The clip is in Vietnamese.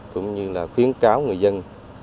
cũng như là khuyến cáo người dân